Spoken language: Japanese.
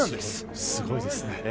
すごいですね。